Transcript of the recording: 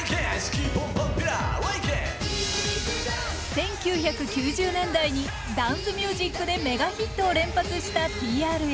１９９０年代にダンスミュージックでメガヒットを連発したＴＲＦ。